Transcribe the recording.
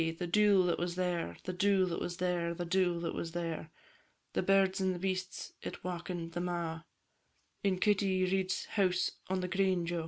the dule that was there, The dule that was there, The dule that was there; The birds and beasts it wauken'd them a', In Kitty Reid's house on the green, Jo!